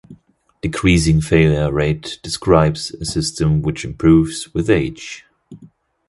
Decreasing failure rate describes a system which improves with age.